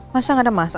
masa gak ada masal sih